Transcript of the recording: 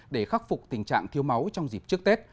để khắc phục tình trạng thiếu máu trong dịp trước tết